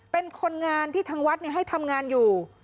เป็นคนงานที่ทางวัดให้ทำงานอยู่